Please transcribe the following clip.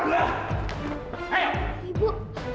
ibu bangun bu